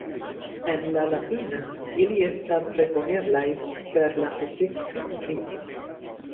En la latina ili estas rekoneblaj per la sufikso "-it".